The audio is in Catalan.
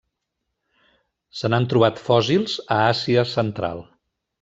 Se n'han trobat fòssils a Àsia central.